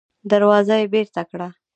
دروازه يې بېرته کړه.